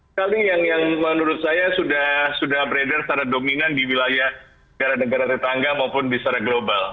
sekali yang menurut saya sudah beredar secara dominan di wilayah negara negara tetangga maupun secara global